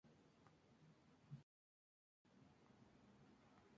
Ha sido Senadora durante la V Legislatura.